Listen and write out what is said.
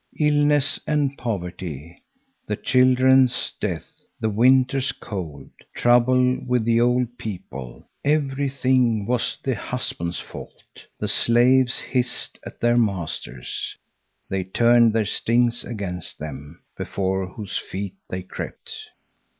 Illness and poverty, the children's death, the winter's cold, trouble with the old people, everything was the husband's fault. The slaves hissed at their masters. They turned their stings against them, before whose feet they crept.